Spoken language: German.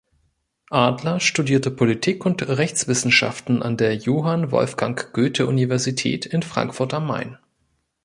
Adler studierte Politik- und Rechtswissenschaften an der Johann Wolfgang Goethe-Universität in Frankfurt am Main.